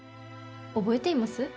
覚えています？